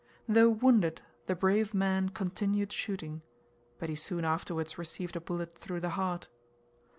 Though wounded, the brave man continued shooting, but he soon afterwards received a bullet through the heart.